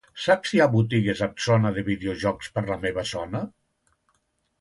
Saps si hi ha botigues amb zona de videojocs per la meva zona?